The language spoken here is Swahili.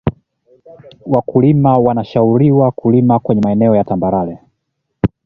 wakulima wanashauriwa kulima kwenye maeneo ya tambarare